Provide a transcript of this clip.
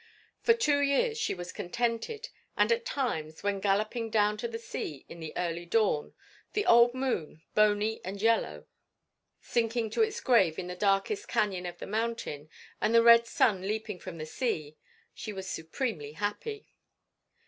For two years she was contented, and at times, when galloping down to the sea in the early dawn, the old moon, bony and yellow, sinking to its grave in the darkest canyon of the mountain, and the red sun leaping from the sea, she was supremely happy.